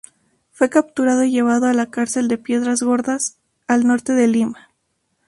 Fue capturado y llevado a la cárcel de Piedras Gordas, al norte de Lima.